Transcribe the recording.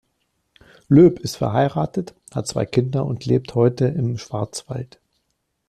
Loeb ist verheiratet, hat zwei Kinder und lebt heute im Schwarzwald.